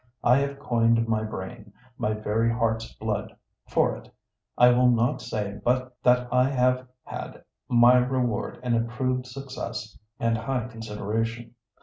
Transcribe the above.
I have coined my brain, my very heart's blood, for it; and I will not say but that I have had my reward in a proved success and high consideration.